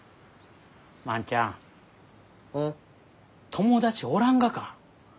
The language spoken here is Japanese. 友達おらんがか？